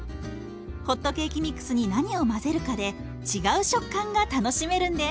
ホットケーキミックスに何を混ぜるかで違う食感が楽しめるんです。